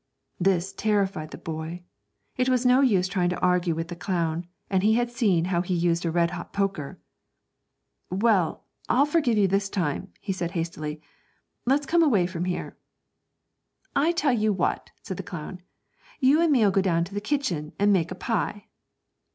This terrified the boy. It was no use trying to argue with the clown, and he had seen how he used a red hot poker. 'Well, I'll forgive you this time,' he said hastily; 'let's come away from here.' 'I tell you what,' said the clown, 'you and me'll go down in the kitchen and make a pie.'